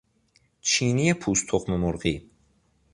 چینی پوست تخم مرغی